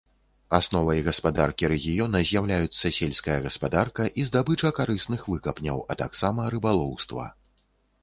Асновай гаспадаркі рэгіёна з'яўляюцца сельская гаспадарка і здабыча карысных выкапняў, а таксама рыбалоўства.